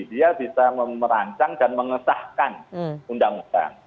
dia bisa merancang dan mengesahkan undang undang